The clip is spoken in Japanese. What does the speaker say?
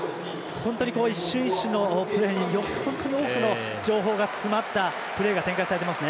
一瞬一瞬のプレーに本当に多くの情報が詰まったプレーが展開されています。